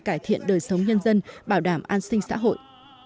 cải thiện đời sống nhân dân bảo đảm an sinh xã hội